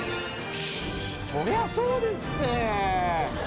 そりゃそうですって。